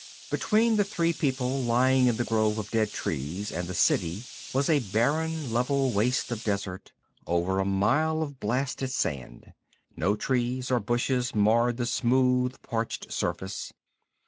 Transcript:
Between the three people lying in the grove of dead trees and the City was a barren, level waste of desert, over a mile of blasted sand. No trees or bushes marred the smooth, parched surface.